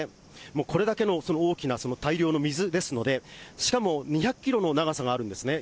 もうこれだけの大きな大量の水ですので、しかも２００キロの長さがあるんですね。